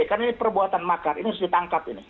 karena ini perbuatan makar ini harus ditangkap ini